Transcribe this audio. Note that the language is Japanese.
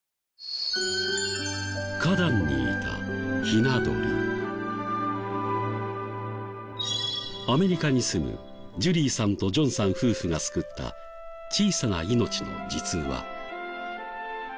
このあとアメリカに住むジュリーさんとジョンさん夫婦が救った小さな命の実話。